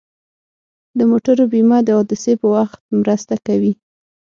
د موټرو بیمه د حادثې په وخت مرسته کوي.